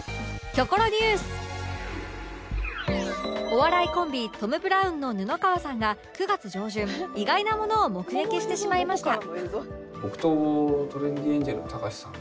お笑いコンビトム・ブラウンの布川さんが９月上旬意外なものを目撃してしまいました